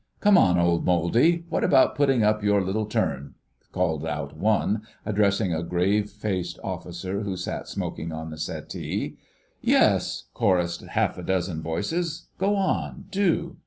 "Come on, old Mouldy, what about putting up your little turn?" called out one, addressing a grave faced officer who sat smoking on the settee. "Yes," chorussed half a dozen voices, "go on, do!"